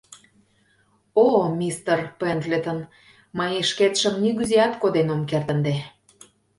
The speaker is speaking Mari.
О, мистер Пендлетон, мый шкетшым нигузеат коден ом керт... ынде!